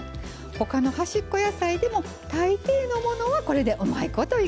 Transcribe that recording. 他の端っこ野菜でも大抵のものはこれでうまいこといけますよ。